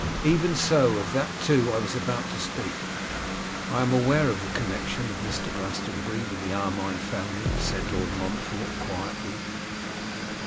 'Even so; of that, too, I was about to speak.' 'I am aware of the connection of Mr. Glastonbury with the Armine family,' said Lord Montfort, quietly.